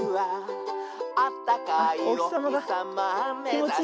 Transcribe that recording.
「あったかいおひさまめざして」